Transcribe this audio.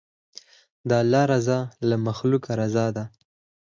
د الله رضا له مخلوقه رضا ده.